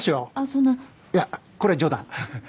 そんないやこれは冗談ふふっ